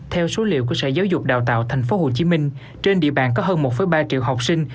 theo số liệu của sở giáo dục đào tạo tp hcm trên địa bàn có hơn một ba triệu học sinh